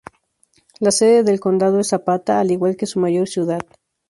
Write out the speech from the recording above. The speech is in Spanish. La sede del condado es Zapata, al igual que su mayor ciudad.